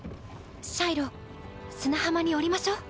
シャイロ砂浜に降りましょう。